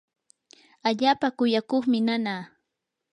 allaapa kuyakuqmi nanaa.